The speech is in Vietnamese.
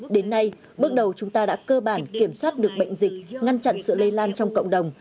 đến nay bước đầu chúng ta đã cơ bản kiểm soát được bệnh dịch ngăn chặn sự lây lan trong cộng đồng